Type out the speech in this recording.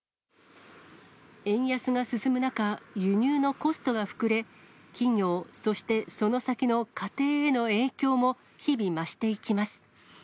円安が進む中、輸入のコストが膨れ、企業、そしてその先の家庭への影響も日々増していきます。